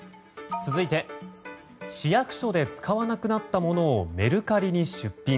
続いて市役所で使わなくなったものをメルカリに出品。